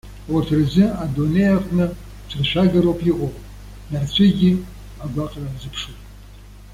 Урҭ рзы адунеи аҟны цәыршәагароуп иҟоу, нарцәыгьы агәаҟра рзыԥшуп.